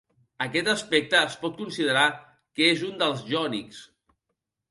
Aquest aspecte es pot considerar que és un dels jònics.